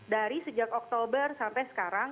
dari sejak oktober sampai sekarang